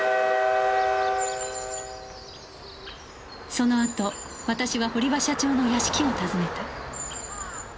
そのあと私は堀場社長の屋敷を訪ねた